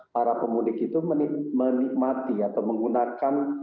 para pemudik itu menikmati atau menggunakan